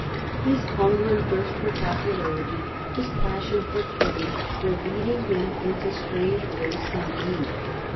His hunger and thirst after popularity, his passion for fame, were leading him into strange ways indeed.